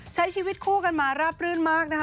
ใช้ชีวิตคู่กันมาราบรื่นมากนะคะ